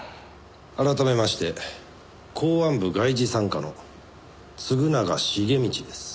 改めまして公安部外事三課の嗣永重道です。